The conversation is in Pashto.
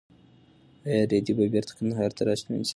ایا رېدی به بېرته کندهار ته راستون شي؟